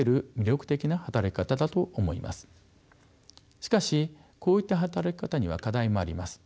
しかしこういった働き方には課題もあります。